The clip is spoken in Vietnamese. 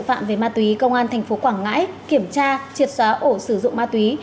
tội phạm về ma túy công an tp quảng ngãi kiểm tra triệt xóa ổ sử dụng ma túy